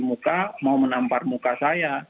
muka mau menampar muka saya